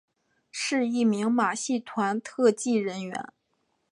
是一名马戏团特技人员。